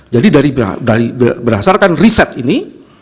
jadi berdasarkan riset ini